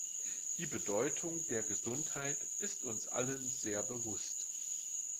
Die Bedeutung der Gesundheit ist uns allen sehr bewusst.